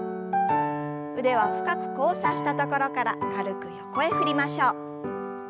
腕は深く交差したところから軽く横へ振りましょう。